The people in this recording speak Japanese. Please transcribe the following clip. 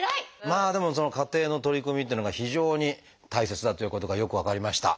まあでもその家庭の取り組みっていうのが非常に大切だということがよく分かりました。